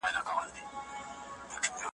کشپ ګوری چي اسمان ته پورته کیږي ,